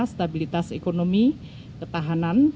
stabilitas ekonomi ketahanan